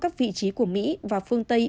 các vị trí của mỹ và phương tây